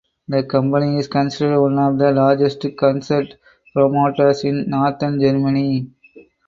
The company is considered one of the largest concert promoters in northern Germany.